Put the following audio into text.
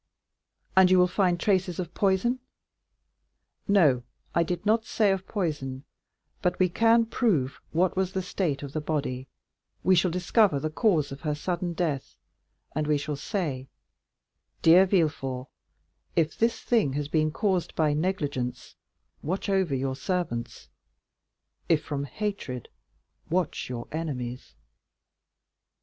"And you will find traces of poison?" "No, I did not say of poison, but we can prove what was the state of the body; we shall discover the cause of her sudden death, and we shall say, 'Dear Villefort, if this thing has been caused by negligence, watch over your servants; if from hatred, watch your enemies.